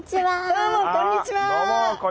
どうもこんにちは。